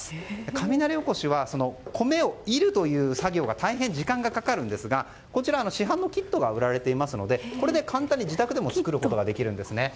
雷おこしは米をいるという作業に大変、時間がかかるんですが市販のキットが売られていますのでこれで簡単に自宅でも作ることができるんですね。